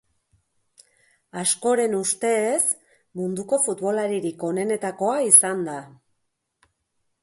Askoren ustez, munduko futbolaririk onenetakoa izan da.